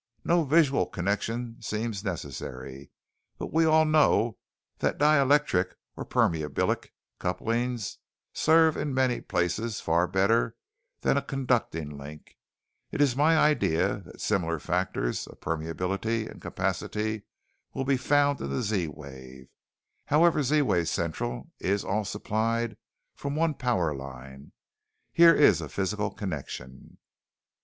No visual connection seems necessary, but we all know that dielectric or permeabilic coupling serves in many places far better than a conducting link; it is my idea that similar factors to permeability and capacity will be found in the Z wave. However Z wave Central is all supplied from one power line. Here is a physical connection.